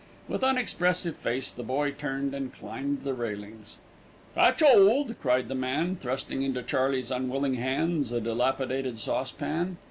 With unexpressive face, the boy turned and climbed the railings. "Catch 'old," cried the man, thrusting into Charley's unwilling hands a dilapidated saucepan.